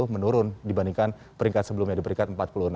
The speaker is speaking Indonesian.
menurun dibandingkan peringkat sebelumnya di peringkat empat puluh enam